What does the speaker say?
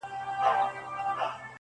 سره لمبه به دا ښارونه دا وطن وي!!